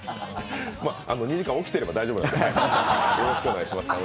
２時間起きてれば大丈夫なんでよろしくお願いします。